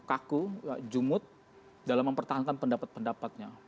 kaku jumud dalam mempertahankan pendapat pendapatnya